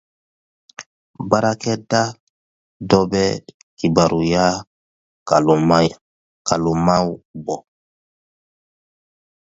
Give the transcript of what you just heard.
Baarakɛda dɔ bɛ kibaruya nkalonmaw bɔ.